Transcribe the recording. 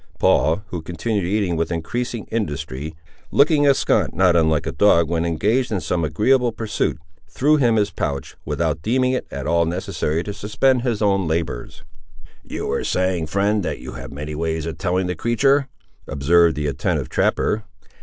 Paul, who continued eating with increasing industry, looking askaunt not unlike a dog when engaged in the same agreeable pursuit, threw him his pouch, without deeming it at all necessary to suspend his own labours. "You were saying, friend, that you have many ways of telling the creatur'?"—observed the attentive trapper.